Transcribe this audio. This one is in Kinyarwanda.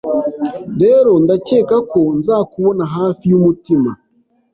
rero ndakeka ko nzakubona hafi yumutima